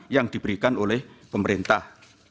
yang diberikan oleh pemerintah